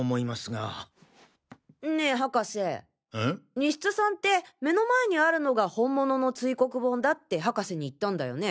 西津さんて目の前にあるのが本物の堆黒盆だって博士に言ったんだよね？